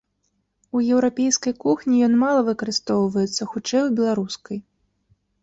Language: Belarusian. У еўрапейскай кухні ён мала выкарыстоўваецца, хутчэй, у беларускай.